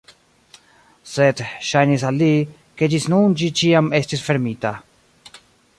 Sed ŝajnis al li, ke ĝis nun ĝi ĉiam estis fermita.